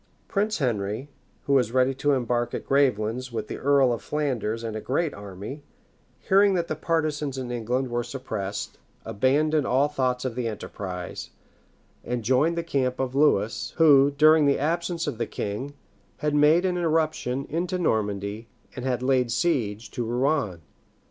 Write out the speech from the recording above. [*][* Hoveden, p. 539.] Prince Henry, who was ready to embark at Gravelines with the earl of Flanders and a great army, hearing that his partisans in England were suppressed, abandoned all thoughts of the enterprise, and joined the camp of Lewis, who, during the absence of the king, had made an irruption into Normandy and had laid siege to Rouen.